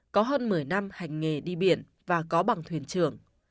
có hơn một mươi năm hành nghề đi biển và có bằng thuyền trưởng